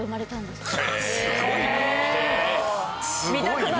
すごいな。